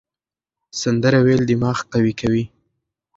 سندرې ویل دماغ قوي کوي.